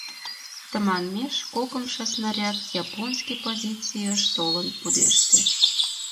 Тыманмеш кокымшо снаряд японский позицийыш толын пудеште.